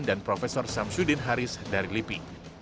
dan profesor samsudin haris dari lipi